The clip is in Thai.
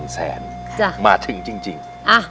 ๑แสนมาถึงจริง